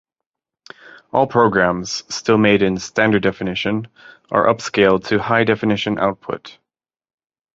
All programmes still made in standard-definition are upscaled to high-definition output.